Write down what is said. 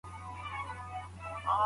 طبي پوهنځۍ له مشورې پرته نه اعلانیږي.